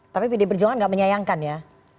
tapi pdi perjuangan nggak menyayangkan ya